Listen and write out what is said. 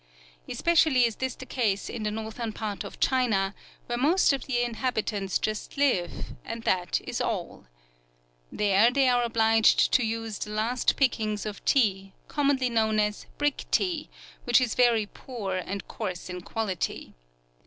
Especially is this the case in the northern part of China, where most of the inhabitants just live, and that is all. There they are obliged to use the last pickings of tea, commonly known as "brick tea," which is very poor and coarse in quality.